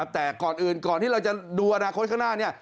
แต่ก่อนอื่นก่อนที่เราจะดูอนาคตข้างหน้า